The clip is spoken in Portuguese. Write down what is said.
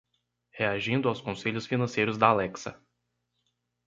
Reagindo aos conselhos financeiros da Alexa